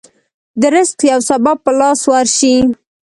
د رزق يو سبب په لاس ورشي.